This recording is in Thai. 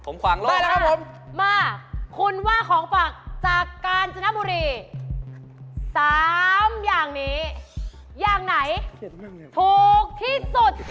ผมขวางโลกมาแล้วครับผมมาคุณว่าของฝากจากกาญจนบุรี๓อย่างนี้อย่างไหนถูกที่สุด